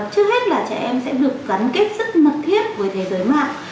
trước hết là trẻ em sẽ được gắn kết rất mật thiết với thế giới mạng